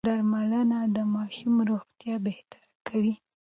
درملنه د ماشوم روغتيا بهتره کوي.